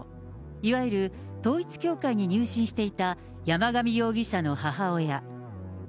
いわゆる統一教会に入信していた山上容疑者の母親。